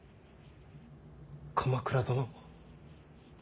鎌倉殿。